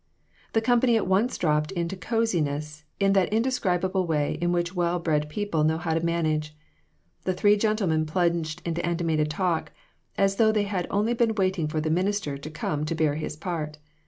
The company at once dropped into cosiness in that indescribable way which well bred people know how to manage. The three gentlemen plunged into animated talk, as though they had been only waiting for the minister to come to bear his part.